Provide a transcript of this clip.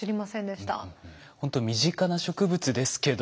ほんと身近な植物ですけど。